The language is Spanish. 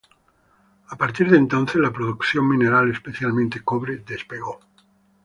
A partir de entonces, la producción mineral, especialmente cobre, despegó.